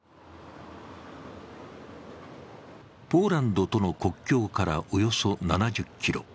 ポーランドとの国境からおよそ７０ｋｍ。